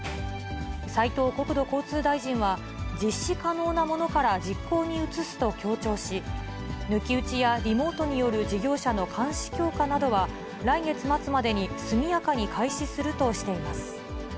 斉藤国土交通大臣は、実施可能なものから実行に移すと強調し、抜き打ちやリモートによる事業者の監視強化などは、来月末までに速やかに開始するとしています。